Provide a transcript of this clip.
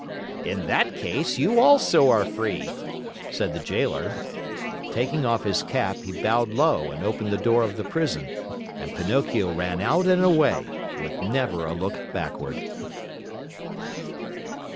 "In that case you also are free," said the Jailer. Taking off his cap, he bowed low and opened the door of the prison, and Pinocchio ran out and away, with never a look backward.